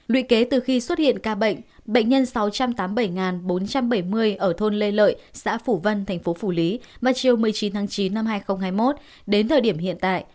lụy kế từ khi xuất hiện ca bệnh bệnh nhân sáu trăm tám mươi bảy bốn trăm bảy mươi ở thôn lê lợi xã phủ vân thành phố phủ lý mà chiều một mươi chín tháng chín năm hai nghìn hai mươi một đến thời điểm hiện tại